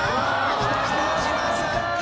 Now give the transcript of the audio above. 北島さんだ。